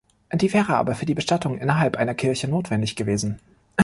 Die wäre aber für die Bestattung innerhalb einer Kirche notwendig gewesen.